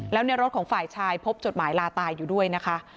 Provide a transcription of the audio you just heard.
แล้วในรถของฝ่ายชายพบจดหมายลาตายอยู่ด้วยนะคะ